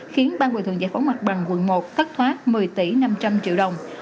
khiến ban bồi thường giải phóng mặt bằng quận một thất thoát một mươi tỷ năm trăm linh triệu đồng